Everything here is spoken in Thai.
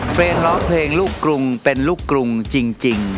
ร้องเพลงลูกกรุงเป็นลูกกรุงจริง